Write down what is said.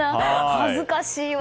恥ずかしいわ。